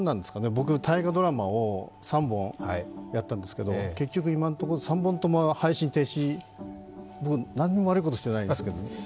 僕、大河ドラマを３本やったんですけど結局、今のところ、３本とも配信停止、僕、何にも悪いことしてないんですけど。